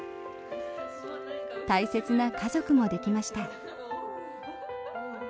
大切な家族もできました。